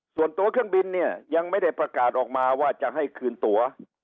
ส่วนตัวเครื่องบินเนี่ยยังไม่ได้ประกาศออกมาว่าจะให้คืนตัว